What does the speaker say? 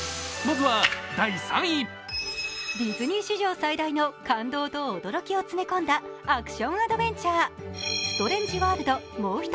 ディズニー史上最大の感動と驚きを詰め込んだ、アクションアドベンチャー。